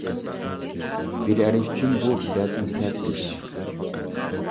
بىر ئەر ئۈچۈن بۇ بەكمۇ سەت ئىش.